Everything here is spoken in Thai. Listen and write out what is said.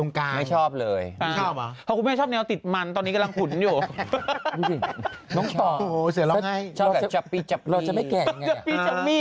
เราจะไม่แก่มันแม่งี้